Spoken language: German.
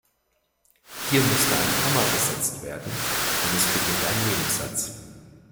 Hier musste ein Komma gesetzt werden, denn es beginnt ein Nebensatz.